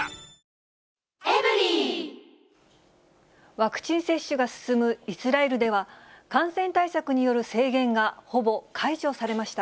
ワクチン接種が進むイスラエルでは、感染対策による制限が、ほぼ解除されました。